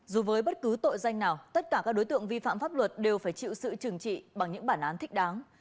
dù với bất cứ tội danh nào tất cả các đối tượng vi phạm pháp luật đều phải chịu sự trừng trị bằng những bản án thích đáng